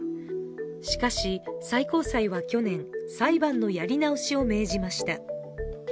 しかし、最高裁は去年、裁判のやり直しを命じました。